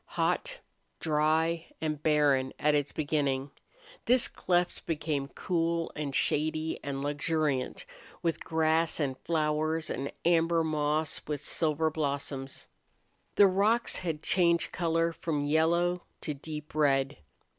Hot, dry, and barren at its beginning, this cleft became cool and shady and luxuriant with grass and flowers and amber moss with silver blossoms. The rocks had changed color from yellow to deep red.